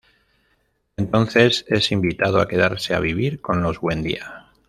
Entonces, es invitado a quedarse a vivir con los Buendía.